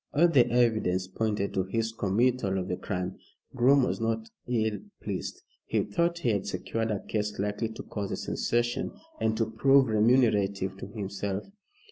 All the evidence pointed to his committal of the crime. Groom was not ill pleased. He thought he had secured a case likely to cause a sensation, and to prove remunerative to himself.